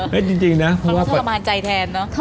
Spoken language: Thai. มันต้องทรมานใจแทนเนอะ